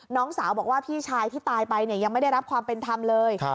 น้องสาวบอกว่าพี่ชายที่ตายไปยังไม่ได้รับความเป็นธรรมเลย